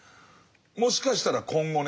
もしかしたら今後ね